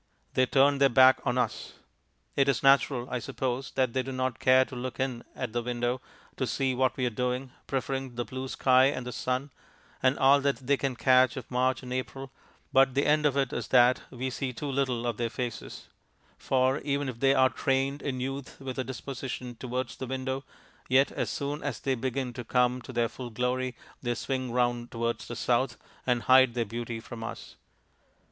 They turn their backs on us. It is natural, I suppose, that they do not care to look in at the window to see what we are doing, preferring the blue sky and the sun, and all that they can catch of March and April, but the end of it is that we see too little of their faces; for even if they are trained in youth with a disposition towards the window, yet as soon as they begin to come to their full glory they swing round towards the south and hide their beauty from us.